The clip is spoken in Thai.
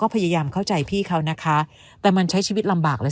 พยายามเข้าใจพี่เขานะคะแต่มันใช้ชีวิตลำบากเลย